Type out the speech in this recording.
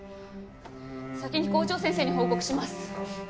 先に校長先生に報告します。